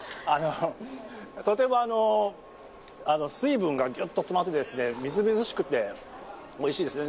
とても水分がギュッと詰まってみずみずしくておいしいですね。